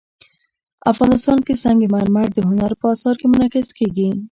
افغانستان کې سنگ مرمر د هنر په اثار کې منعکس کېږي.